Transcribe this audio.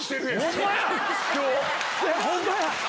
ホンマや！